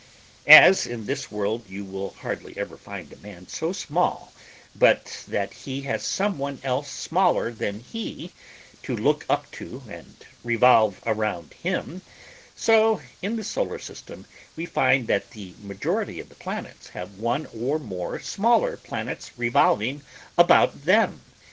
As in this world you will hardly ever find a man so small but that he has someone else smaller than he, to look up to and revolve around him, so in the Solar System we find that the majority of the planets have one or more smaller planets revolving about them.